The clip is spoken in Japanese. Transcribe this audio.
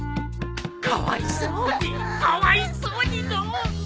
かわいそうにかわいそうにのうまる子。